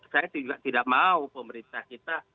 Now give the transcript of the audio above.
saya tidak mau pemerintah kita